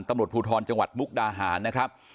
ตำรวจภูทรจังหวัดมุกดาหารนะครับ